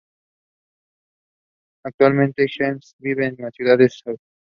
Actualmente, Jeff Ament vive en la ciudad de Seattle.